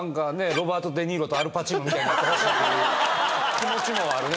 ロバート・デニーロとアル・パチーノみたいになってほしいという気持ちもあるね